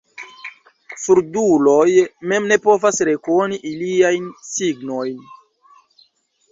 Surduloj mem ne povas rekoni iliajn signojn.